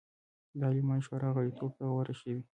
د عالمانو شورا غړیتوب ته غوره شي.